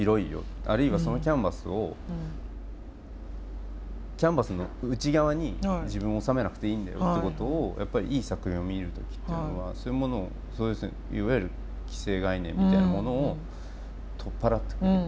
あるいはそのキャンバスをキャンバスの内側に自分を収めなくていいんだよってことをいい作品を見る時っていうのはそういうものをいわゆる既成概念みたいなものを取っ払ってくれる。